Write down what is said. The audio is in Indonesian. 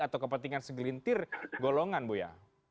atau kepentingan segelintir golongan buya